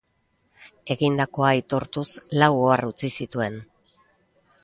Egindakoa aitortuz lau ohar utzi zituen.